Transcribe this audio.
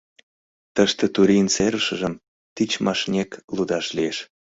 Тыште Турийын серышыжым тичмашнек лудаш лиеш